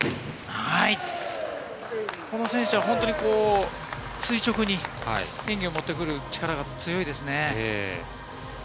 この選手は本当に垂直に演技を持ってくる力が強いですね。